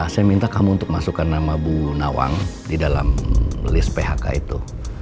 saya minta kamu untuk masukkan nama bu nawang di dalam list phk itu